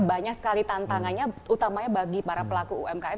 banyak sekali tantangannya utamanya bagi para pelaku umkm